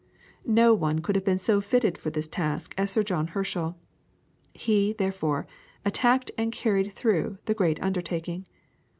No one could have been so fitted for this task as Sir John Herschel. He, therefore, attacked and carried through the great undertaking.